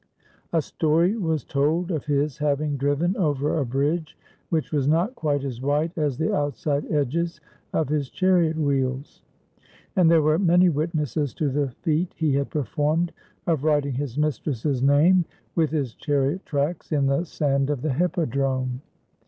A story was told of his having driven over a bridge which was not quite as wide as the outside edges of his chariot wheels; and there were many witnesses to the feat he had performed of writing his mistress's name with his chariot tracks in the sand of the hippodrome.